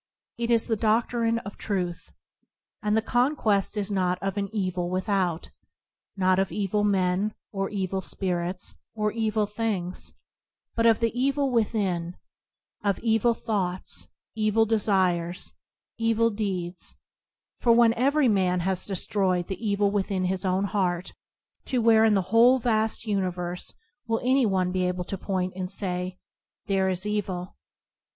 It is the dodtrine of Truth. And the conquest is not of an evil with out; not of evil men, or evil spirits, or evil things; but of the evil within; of evil thoughts, evil desires, evil deeds; for when every man has destroyed the evil within his own heart, to where in the whole vast uni verse will any one be able to point, and say, "There is evil"?